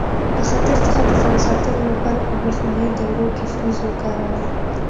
له خطر څخه د ځان ساتلو لپاره په برېښنایي دورو کې فیوز وکاروئ.